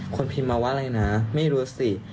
คนพิมพ์มาว่าอะไรนะไม่รู้สิ